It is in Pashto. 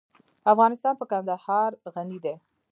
افغانستان په کندهار غني دی.